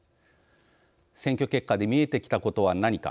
選挙結果で見えてきたことは何か。